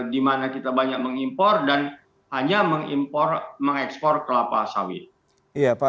di mana kita banyak mengimpor dan hanya mengekspor kelapa sawit